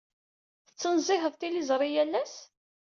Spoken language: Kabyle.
Tettnezziheḍ tiliẓri yal ass?